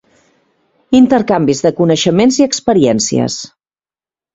Intercanvis de coneixements i experiències.